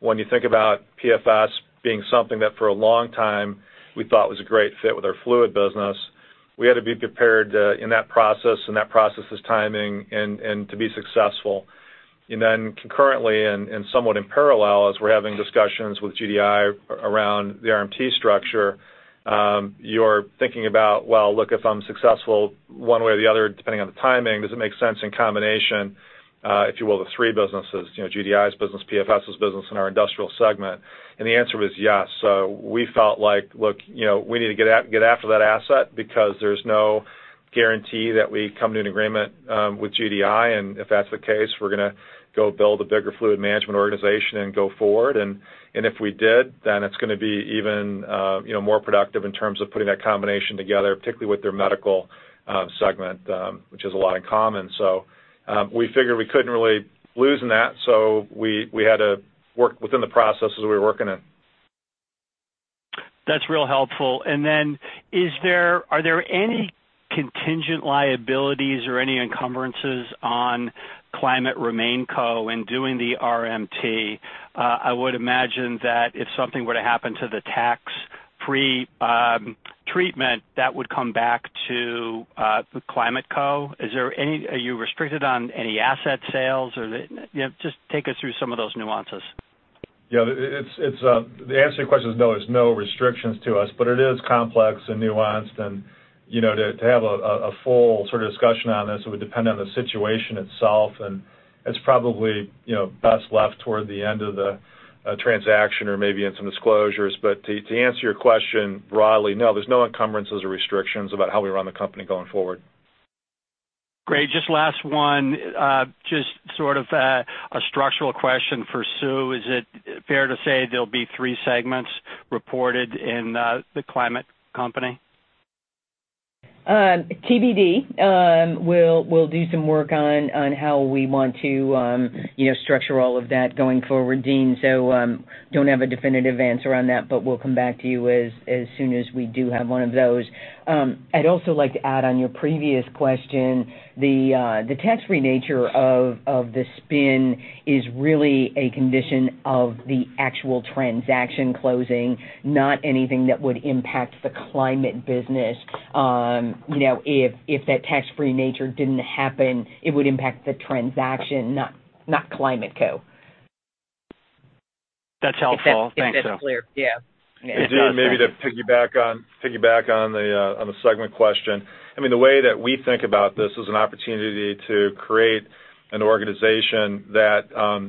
When you think about PFS being something that for a long time we thought was a great fit with our fluid business, we had to be prepared in that process and that process's timing and to be successful. Then concurrently and somewhat in parallel, as we're having discussions with GDI around the RMT structure, you're thinking about, well, look, if I'm successful one way or the other, depending on the timing, does it make sense in combination, if you will, the three businesses, GDI's business, PFS's business, and our industrial segment? The answer was yes. We felt like, look, we need to get after that asset because there's no guarantee that we come to an agreement with GDI, and if that's the case, we're going to go build a bigger fluid management organization and go forward. If we did, then it's going to be even more productive in terms of putting that combination together, particularly with their medical segment, which has a lot in common. We figured we couldn't really lose in that, so we had to work within the processes we were working in. That's real helpful. Are there any contingent liabilities or any encumbrances on Climate RemainCo in doing the RMT? I would imagine that if something were to happen to the tax-free treatment, that would come back to the ClimateCo. Are you restricted on any asset sales or just take us through some of those nuances. The answer to your question is no, there's no restrictions to us, but it is complex and nuanced and to have a full sort of discussion on this, it would depend on the situation itself, and it's probably best left toward the end of the transaction or maybe in some disclosures. To answer your question broadly, no, there's no encumbrances or restrictions about how we run the company going forward. Great. Just last one, just sort of a structural question for Sue. Is it fair to say there'll be three segments reported in the Climate company? TBD. We'll do some work on how we want to structure all of that going forward, Deane. Don't have a definitive answer on that, but we'll come back to you as soon as we do have one of those. I'd also like to add on your previous question, the tax-free nature of the spin is really a condition of the actual transaction closing, not anything that would impact the Climate business. If that tax-free nature didn't happen, it would impact the transaction, not ClimateCo. That's helpful. Thanks, Sue. If that's clear. Yeah. Deane, maybe to piggyback on the segment question, the way that we think about this is an opportunity to create an organization that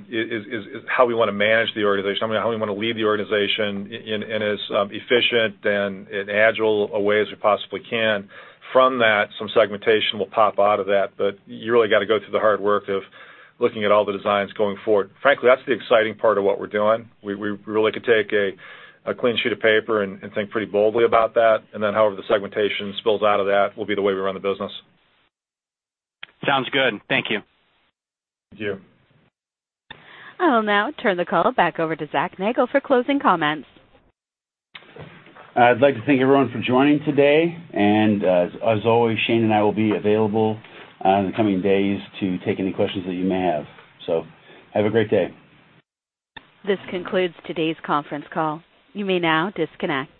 is how we want to manage the organization. How we want to lead the organization in as efficient and agile a way as we possibly can. From that, some segmentation will pop out of that, you really got to go through the hard work of looking at all the designs going forward. Frankly, that's the exciting part of what we're doing. We really could take a clean sheet of paper and think pretty boldly about that. Then however the segmentation spills out of that will be the way we run the business. Sounds good. Thank you. Thank you. I will now turn the call back over to Zach Nagle for closing comments. I'd like to thank everyone for joining today, and as always, Shane and I will be available in the coming days to take any questions that you may have. Have a great day. This concludes today's conference call. You may now disconnect.